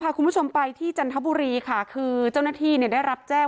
คุณผู้ชมไปที่จันทบุรีค่ะคือเจ้าหน้าที่เนี่ยได้รับแจ้ง